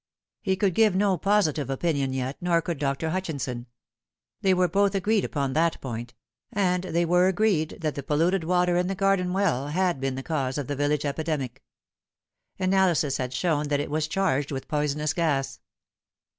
He could give no positive opinion yet, nor could Dr. Hutchinson. They were both agreed upon that point ; and they were agreed that the polluted water in the garden well had been the cause of the vil lage epidemic. Analysis had shown that it was charged with poisonous gas.